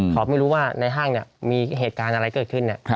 ไม่รู้ว่าในห้างมีเหตุการณ์อะไรเกิดขึ้น